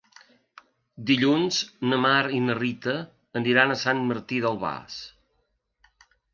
Dilluns na Mar i na Rita aniran a Sant Martí d'Albars.